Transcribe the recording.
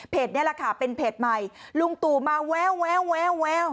เพจนี้แหละค่ะเป็นเพจใหม่ลุงตู่มาแววแววแววแวว